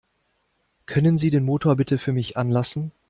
Können Sie den Motor bitte für mich anlassen?